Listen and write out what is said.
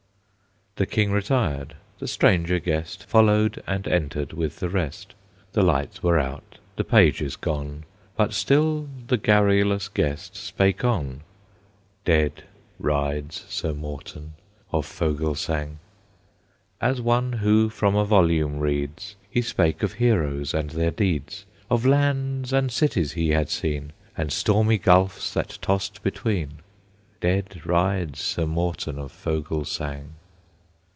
The King retired; the stranger guest Followed and entered with the rest; The lights were out, the pages gone, But still the garrulous guest spake on. Dead rides Sir Morten of Fogelsang. As one who from a volume reads, He spake of heroes and their deeds, Of lands and cities he had seen, And stormy gulfs that tossed between. Dead rides Sir Morten of Fogelsang.